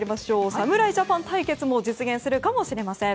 侍ジャパン対決も実現するかもしれません。